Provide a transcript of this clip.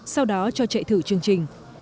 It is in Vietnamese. sau đó cho chạy thử chương trình